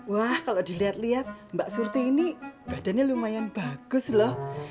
wah kalau dilihat lihat mbak surti ini badannya lumayan bagus loh